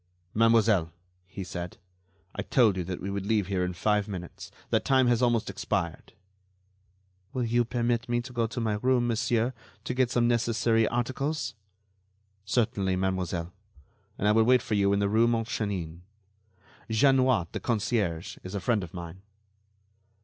"Mademoiselle," he said, "I told you that we would leave here in five minutes. That time has almost expired." "Will you permit me to go to my room, monsieur, to get some necessary articles?" "Certainly, mademoiselle; and I will wait for you in the rue Montchanin. Jeanniot, the concierge, is a friend of mine."